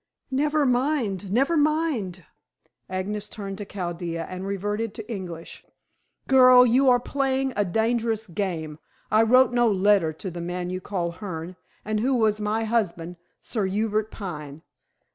"Never mind; never mind." Agnes turned to Chaldea and reverted to English. "Girl, you are playing a dangerous game. I wrote no letter to the man you call Hearne, and who was my husband Sir Hubert Pine."